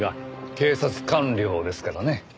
警察官僚ですからね。